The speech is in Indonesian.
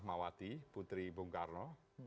rahmawati putri bung karno